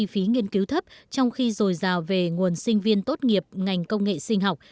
phí nghiên cứu thấp trong khi dồi dào về nguồn sinh viên tốt nghiệp ngành công nghệ sinh học